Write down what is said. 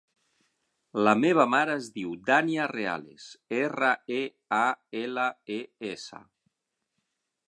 La meva mare es diu Dània Reales: erra, e, a, ela, e, essa.